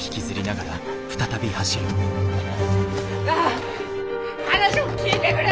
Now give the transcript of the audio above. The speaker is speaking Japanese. なあ話を聞いてくれ！